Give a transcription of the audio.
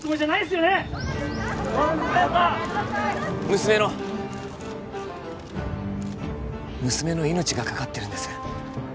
娘の娘の命がかかってるんです